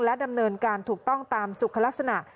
ดำเนินการถูกต้องตามสุขลักษณะ